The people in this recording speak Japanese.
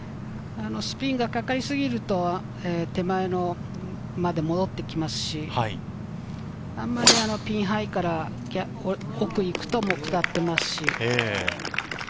スピンがかかりすぎると、手前まで戻ってきますし、あんまりピンハイから奥に行くと下っていますし。